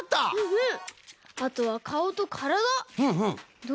うん。